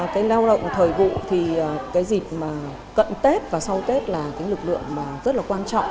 cái lao động thời vụ thì cái dịp mà cận tết và sau tết là cái lực lượng mà rất là quan trọng